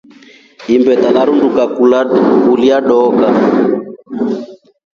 Imbeta lirunduka kulya dooka.